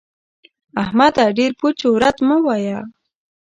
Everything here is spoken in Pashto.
احمده! ډېر پوچ و رد مه وايه.